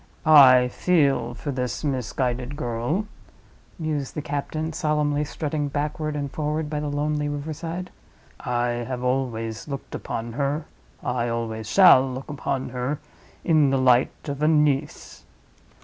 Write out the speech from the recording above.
"I feel for this misguided girl," mused the captain, solemnly strutting backward and forward by the lonely river side. "I always have looked upon her—I always shall look upon her—in the light of a niece."